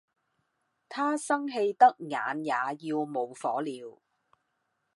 他生氣得眼也要冒火了